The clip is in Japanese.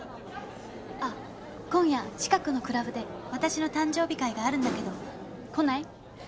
あっ今夜近くのクラブで私の誕生日会があるんだけど来ない？